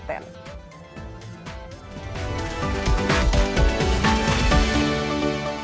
lalu kita akan berbincang lagi dengan